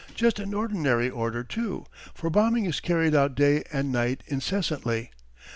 Just an ordinary order too, for bombing is carried out day and night incessantly.